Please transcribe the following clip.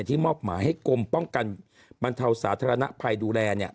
มอบหมายให้กรมป้องกันบรรเทาสาธารณภัยดูแล